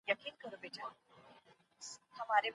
که قانون خلاف وي سرغړونه روا ده.